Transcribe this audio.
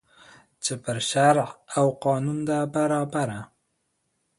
چي پر شرع او قانون ده برابره